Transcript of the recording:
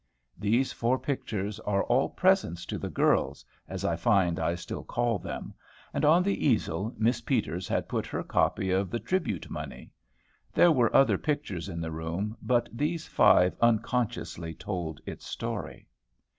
These four pictures are all presents to the "girls," as I find I still call them; and, on the easel, Miss Peters had put her copy of "The Tribute Money." There were other pictures in the room; but these five unconsciously told its story.